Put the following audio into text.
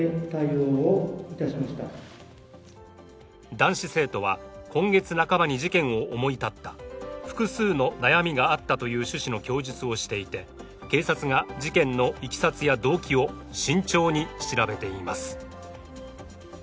男子生徒は今月半ばに事件を思い立った複数の悩みがあったという趣旨の供述をしていて警察が事件のいきさつや動機を慎重に調べています。